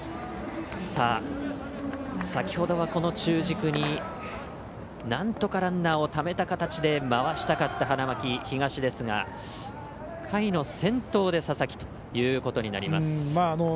先ほどは、この中軸になんとかランナーをためた形でまわしたかった花巻東でしたが回の先頭で佐々木ということになります。